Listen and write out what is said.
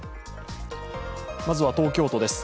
まずは東京都です。